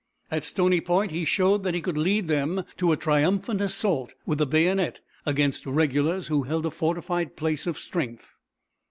At Stony Point he showed that he could lead them to a triumphant assault with the bayonet against regulars who held a fortified place of strength.